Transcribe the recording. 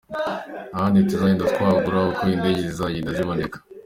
Ahandi tuzagenda twagura uko indege zizagenda ziboneka.